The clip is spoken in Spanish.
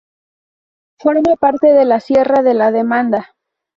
Forma parte de la sierra de la Demanda.